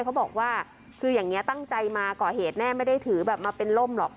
เขาบอกว่าคืออย่างนี้ตั้งใจมาก่อเหตุแน่ไม่ได้ถือแบบมาเป็นล่มหรอก